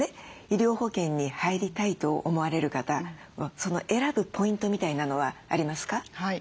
医療保険に入りたいと思われる方選ぶポイントみたいなのはありますか？